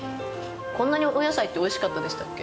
こんなにお野菜っておいしかったでしたっけ。